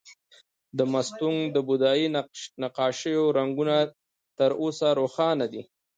د مستونګ د بودايي نقاشیو رنګونه تر اوسه روښانه دي